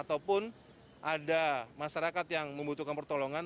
ataupun ada masyarakat yang membutuhkan pertolongan